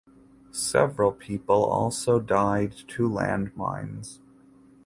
Several people also died to landmines.